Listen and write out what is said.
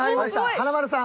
華丸さん。